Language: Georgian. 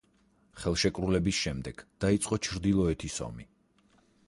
ხელშეკრულების შემდეგ დაიწყო ჩრდილოეთის ომი.